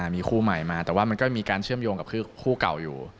มีคู่ใหม่มาแต่ว่ามันก็มีการเชื่อมโยงกับคู่เก่าอยู่